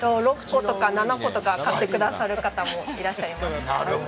６個とか７個とか買ってくださる方もいらっしゃいます。